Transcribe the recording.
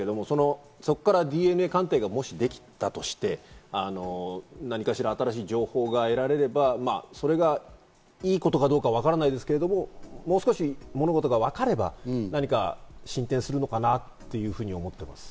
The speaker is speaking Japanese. もちろんそれは誰のものかわからないですけど、そこからＤＮＡ鑑定がもしできたとして、何かしら新しい情報が得られれば、それがいいことかどうかはわからないですけど、もう少し物事がわかれば、何か進展するのかなというふうに思っています。